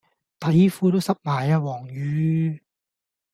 底褲都濕埋啊黃雨